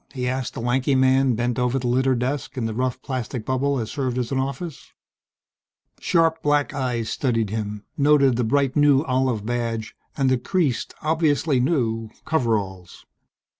he asked the lanky man bent over the littered desk in the rough plastic bubble that served as an office. Sharp black eyes studied him noted the bright new olive badge, and the creased, obviously new, coveralls.